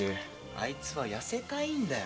あいつはやせたいんだよ。